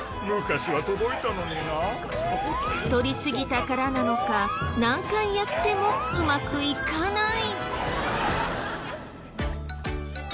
太りすぎたからなのか何回やってもうまくいかない。